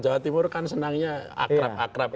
jawa timur kan senangnya akrab akrab